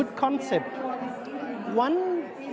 adalah konsep yang sangat baik